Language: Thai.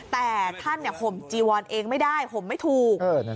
แต่ท่านห่มจีวอนเองไม่ได้ห่มไม่ถูก